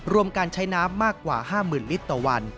รวมการใช้น้ำมากกว่า๕๐๐๐ลิตรต่อวัน